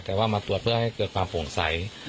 แต่ว่ามาตรวจเพื่อให้เกิดความโปร่งใส